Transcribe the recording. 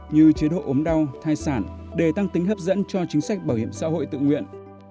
như chế độ ốm đau thai sản để tăng tính hấp dẫn cho chính sách bảo hiểm xã hội tự nguyện